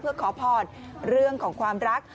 เพื่อขอพรเรื่องของความรัก